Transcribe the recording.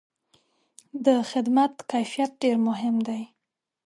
د خدمت کیفیت ډېر مهم دی.